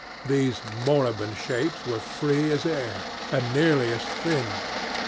These moribund shapes were free as air and nearly as thin.